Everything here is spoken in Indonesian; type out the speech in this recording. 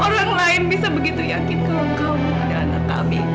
orang lain bisa begitu yakin kalau kamu adalah anak kami